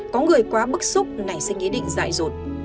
có người quá bức xúc này sẽ nghĩ định dại dột